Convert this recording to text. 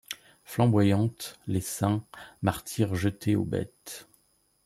Flamboyantes ; les saints ; martyrs jetés aux bêtes